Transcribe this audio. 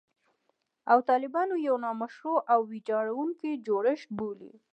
او طالبان یو «نامشروع او ویجاړوونکی جوړښت» بولي